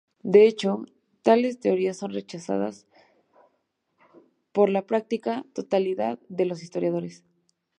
De hecho tales teorías son rechazadas por la práctica totalidad de los historiadores.